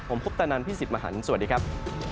ผมคุปตะนันพี่สิทธิ์มหันฯสวัสดีครับ